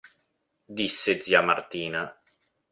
Disse zia Martina.